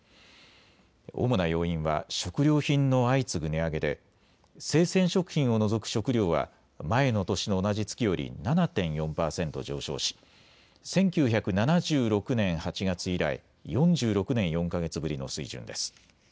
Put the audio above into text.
主な要因は食料品の相次ぐ値上げで生鮮食品を除く食料は前の年の同じ月より７．４％上昇し、１９７６年８月以来、４６年４か月ぶりの水準です。